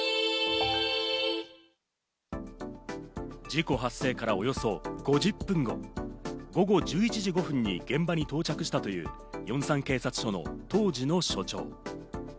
事故発生からおよそ５０分後、午後１１時５分に現場に到着したという、ヨンサン警察署の当時の署長。